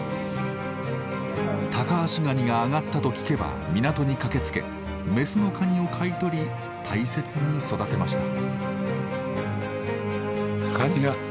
タカアシガニが揚がったと聞けば港に駆けつけ雌のカニを買い取り大切に育てました。